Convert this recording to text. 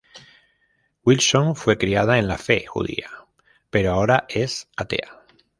Wilson fue criada en la fe judía, pero ahora es atea.